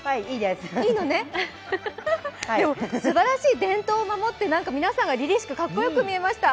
すばらしい伝統を守って、皆さんがりりしく、かっこよく見えました。